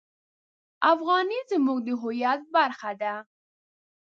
افغانۍ زموږ د هویت برخه ده.